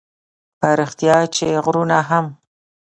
په رښتیا چې غرونه هم